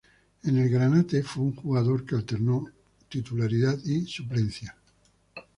En el Granate fue un jugador que alternó titularidad y suplencia.